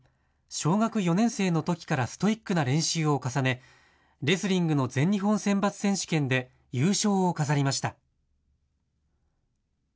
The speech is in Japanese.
小学４年生のときからストイックな練習を重ね、レスリングの全日本選抜選手権で優勝を飾りました。